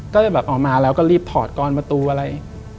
ก็ออกมาแล้วก็รีบถอดกรอนประตูอะไร